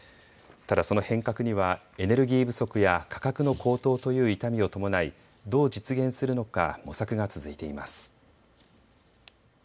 ただ、その変革にはエネルギー不足や価格の高騰という痛みを伴い、どう実現するのか模索が続いています。